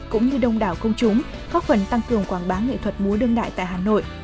cũng như đông đảo công chúng góp phần tăng cường quảng bá nghệ thuật múa đương đại tại hà nội